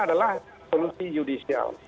adalah solusi judicial